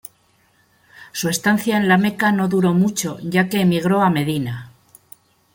Su estancia en la Meca no duró mucho ya que emigró a Medina.